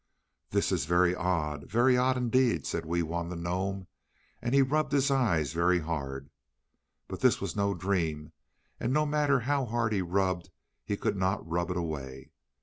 "This is very odd, very odd, indeed!" said Wee Wun the gnome, and he rubbed his eyes very hard. But this was no dream, and no matter how hard he rubbed, he could not rub it away.